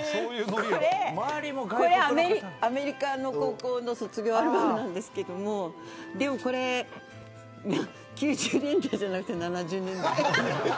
これはアメリカの高校の卒業アルバムなんですけどでもこれ９０年代じゃなくて７０年代。